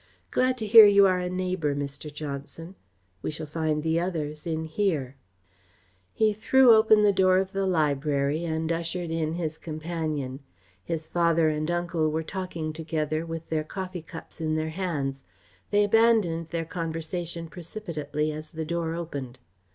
Glad to hear you are a neighbour, Mr. Johnson. We shall find the others in here." He threw open the door of the library and ushered in his companion. His father and uncle were talking together with their coffee cups in their hands. They abandoned their conversation precipitately as the door opened.